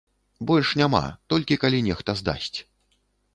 Больш няма, толькі калі нехта здасць.